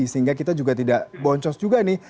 sehingga kita juga tidak boncos juga nih